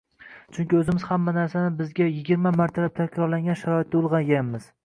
chunki o‘zimiz hamma narsani bizga yigirma martalab takrorlangan sharoitda ulg‘ayganmiz.